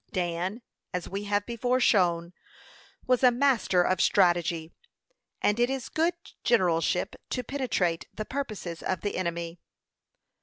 Dan, as we have before shown, was a master of strategy; and it is good generalship to penetrate the purposes of the enemy.